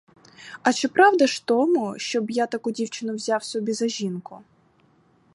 А чи правда ж тому, щоб я таку дівчину взяв собі за жінку?